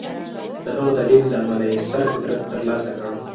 د هغه د لېږد له امله یې ستر قدرت ترلاسه کړ